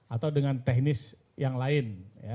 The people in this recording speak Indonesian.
atau dengan teknis yang lain